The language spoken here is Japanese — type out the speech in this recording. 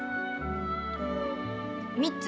３つ。